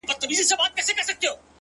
موږ ته خو د خپلو پښو صفت بې هوښه سوی دی